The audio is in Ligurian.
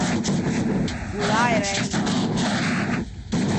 Bollâ e ræ in mâ.